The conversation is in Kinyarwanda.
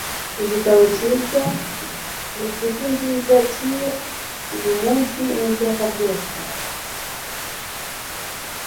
igitabo cyiza ninshuti nziza, kimwe uyumunsi n'iteka ryose